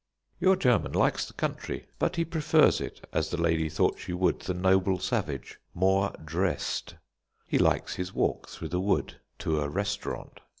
Your German likes the country, but he prefers it as the lady thought she would the noble savage more dressed. He likes his walk through the wood to a restaurant.